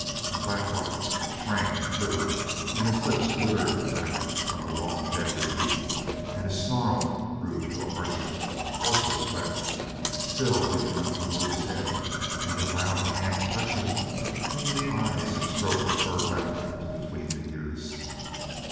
And Black Bart shrank and quivered, and his lips writhed back from the long, deadly teeth, and his snarl grew to a harsher, hoarser threat; still he did not remove his head, and he allowed the hand to touch him between the eyes and stroke the fur back to between the ears.